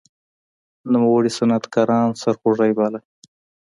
نوموړي صنعتکاران سرخوږی باله.